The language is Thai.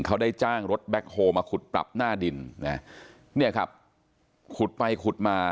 เขาได้จ้างรถแบ็คโฮลมาขุดปรับหน้าดินนะเนี่ยครับขุดไปขุดมา